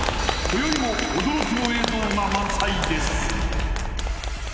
今宵も驚きの映像が満載です